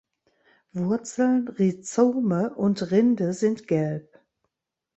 Wurzeln, Rhizome und Rinde sind gelb.